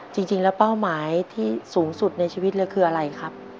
จริงแล้วเป้าหมายที่สูงสุดในชีวิตเลยคืออะไรครับ